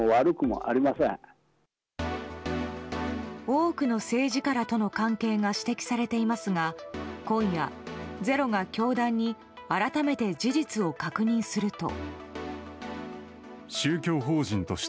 多くの政治家らとの関係が指摘されていますが今夜、「ｚｅｒｏ」が教団に改めて事実を確認すると。